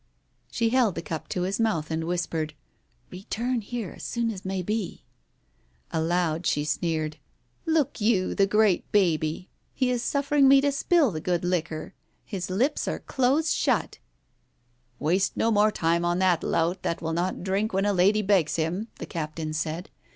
She held the cup to his mouth and whispered, "Return here as soon as may be." Aloud she sneered, " Look you, the great baby ! He Digitized by Google THE BLUE BONNET 177 is suffering me to spill the good liquor. His lips are close shut " "Waste no more time on the lout that will not drink when a lady begs him," th^ captain said.